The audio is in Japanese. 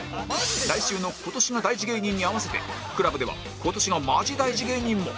来週の今年が大事芸人に合わせて ＣＬＵＢ では今年がマジ大事芸人も